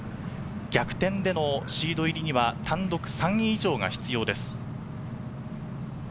逆転でのシード入りには単独３位以上が必要です。